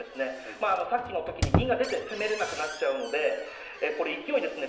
まあさっきのときに銀が出て攻めれなくなっちゃうのでこれ勢いですね